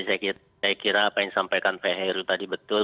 saya kira apa yang disampaikan pak heru tadi betul